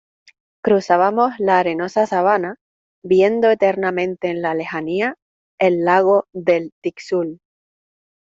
cruzábamos la arenosa sabana, viendo eternamente en la lejanía el lago del Tixul